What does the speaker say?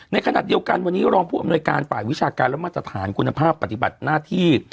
ในขณะเดียวกันวันนี้รองผู้อำนวยการฝ่ายวิชาการและมาตรฐานคุณภาพปฏิบัติหน้าที่